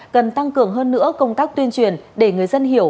cần tăng cường hơn nữa công tác tuyên truyền để người dân hiểu